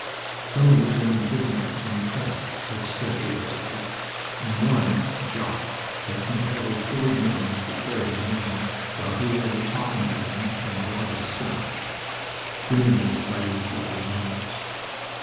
Some of the German prisoners were impressed as stretcher bearers, and one, "Jock," had compelled four Germans to carry him in, while he lay talking to them in broadest Scots, grinning despite his blood and wounds.